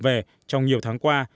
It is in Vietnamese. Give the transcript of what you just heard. về trong nhiều tháng qua